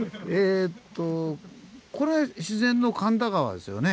これ自然の神田川ですよね。